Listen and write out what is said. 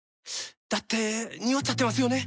だってニオっちゃってますよね。